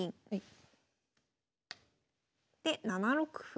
で７六歩。